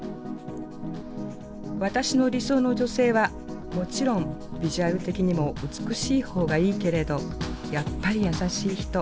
「私の理想の女性はもちろんビジュアル的にも美しいほうがいいけれどやっぱり優しい人。